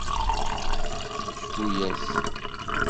Cfu-yas!